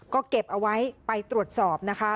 ก็เก็บเอาไว้ไปตรวจสอบนะคะ